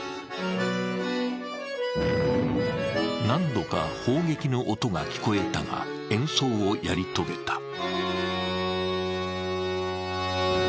何度か砲撃の音が聞こえたが、演奏をやり遂げた。